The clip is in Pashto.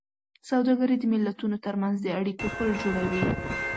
سوداګري د ملتونو ترمنځ د اړیکو پُل جوړوي.